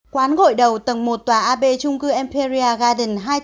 quán gội đầu tầng một tòa ab trung cư emperia garden hai trăm linh